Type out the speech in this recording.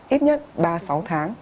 ít nhất ba sáu tháng